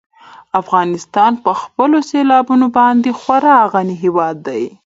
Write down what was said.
افغانستان په خپلو سیلابونو باندې خورا غني هېواد دی.